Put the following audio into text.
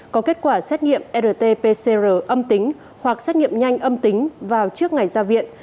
có kết quả xét nghiệm rt pcr âm tính hoặc xét nghiệm nhanh âm tính vào trước ngày ra viện